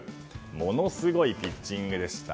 ものすごいピッチングでした。